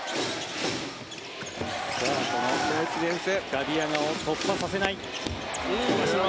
ガディアガを突破させない。